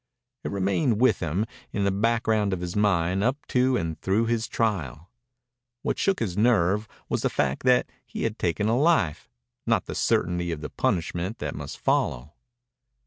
It remained with him, in the background of his mind, up to and through his trial. What shook his nerve was the fact that he had taken a life, not the certainty of the punishment that must follow.